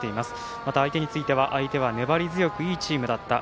また相手については相手は粘り強くいいチームだった。